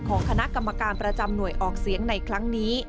ของคณะกรรมการประจำหน่วยออกเสียงในครั้งนี้